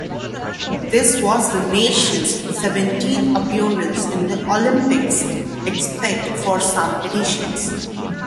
This was the nation's seventeenth appearance in the Olympics, except for some editions.